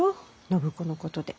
暢子のことで。